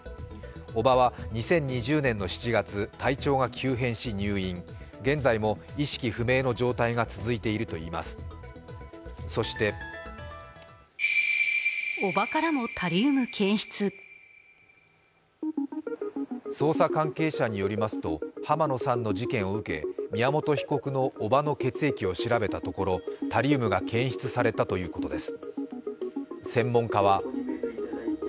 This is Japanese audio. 叔母は２０２０年の７月体調が急変し入院現在も意識不明の状態が続いているといいます、そして捜査関係者によりますと濱野さんの事件を受け宮本被告の叔母の血液を調べたところ、タリウムが検出されたということです。